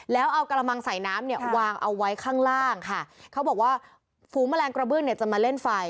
แล้วเอากระมังใส่น้ำเนี่ยวางเอาไว้ข้างล่างค่ะเขาบอกว่าฝูงแมลงกระเบื้องเนี่ยจะมาเล่นไฟ